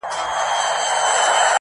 غواړم د پېړۍ لپاره مست جام د نشیې .